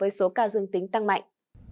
với số ca dương tính tăng mạnh